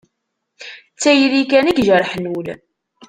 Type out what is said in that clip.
D tayri kan i ijerrḥen ul.